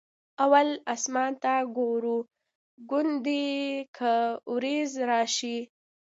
اول اسمان ته ګورو ګوندې که ورېځ راشي.